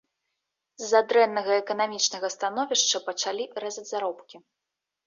З-за дрэннага эканамічнага становішча пачалі рэзаць заробкі.